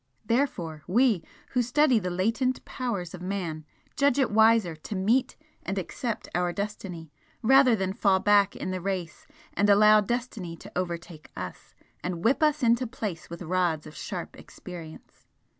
Therefore, we, who study the latent powers of man, judge it wiser to meet and accept our destiny rather than fall back in the race and allow destiny to overtake US and whip us into place with rods of sharp experience.